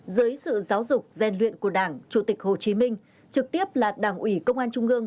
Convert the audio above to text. dưới sự giáo dục rèn luyện của đảng chủ tịch hồ chí minh trực tiếp là đảng ủy công an trung ương